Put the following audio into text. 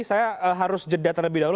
saya harus jedetan lebih dulu